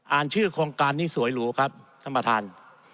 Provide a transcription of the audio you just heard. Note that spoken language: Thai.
ชื่อโครงการนี้สวยหรูครับท่านประธาน